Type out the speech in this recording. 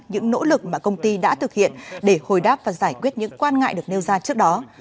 những nỗ lực mà công ty đã thực hiện để hồi đáp và giải quyết những quan ngại được nêu ra trước đó